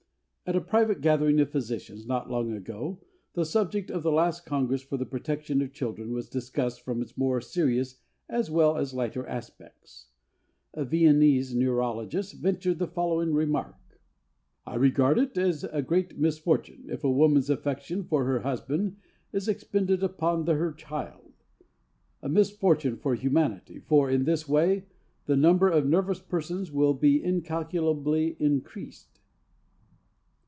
At a private gathering of physicians not long ago the subject of the last congress for the protection of children was discussed from its more serious as well as lighter aspects. A Viennese neurologist ventured the following remark: "I regard it as a great misfortune if a woman's affection for her husband is expended upon her child. A misfortune for humanity, for, in this way, the number of nervous persons will be incalculably increased."